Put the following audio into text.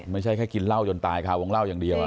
ไม่ใช่แค่กินเหล้าจนตายค่ะวงเล่าอย่างเดียว